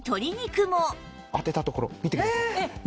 当てた所見てください。